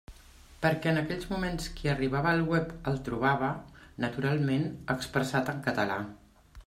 Perquè en aquells moments qui arribava al web el trobava, naturalment, expressat en català.